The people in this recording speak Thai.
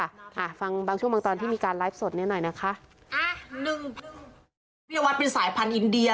อ่าฟังบางช่วงบางตอนที่มีการไลฟ์สดเนี้ยหน่อยนะคะอ่าหนึ่งพี่นวัดเป็นสายพันธุ์อินเดีย